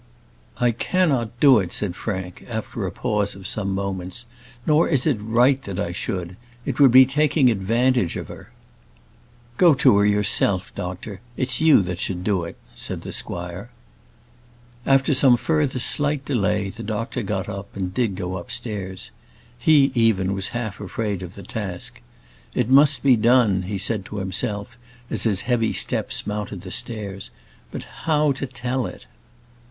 "I cannot do it," said Frank, after a pause of some moments; "nor is it right that I should. It would be taking advantage of her." "Go to her yourself, doctor; it is you that should do it," said the squire. After some further slight delay, the doctor got up, and did go upstairs. He, even, was half afraid of the task. "It must be done," he said to himself, as his heavy steps mounted the stairs. "But how to tell it?"